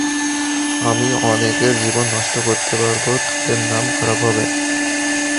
আমি অনেকের জীবন নষ্ট করতে পারব, তাদের নাম খারাপ হবে।